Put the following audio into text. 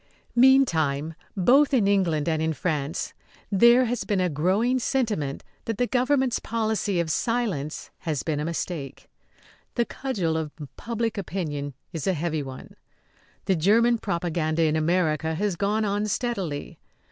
Meantime, both in England and in France, there has been a growing sentiment that the government's policy of silence has been a mistake. The cudgel of public opinion is a heavy one. The German propaganda in America has gone on steadily.